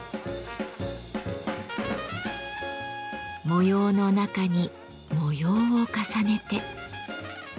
模様の中に模様を重ねて。